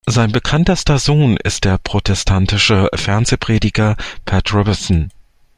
Sein bekanntester Sohn ist der protestantische Fernsehprediger Pat Robertson.